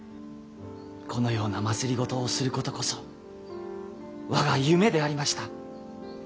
このような政をすることこそ我が夢でありました。